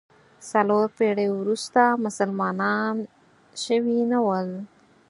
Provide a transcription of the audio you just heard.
څلور پېړۍ وروسته مسلمانان شوي نه ول.